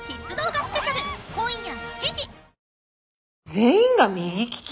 全員が右利き？